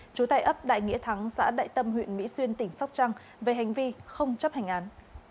trú tại ấp đại nghĩa thắng xã đại tâm huyện mỹ xuyên tỉnh sóc trăng về hành vi không chấp hành án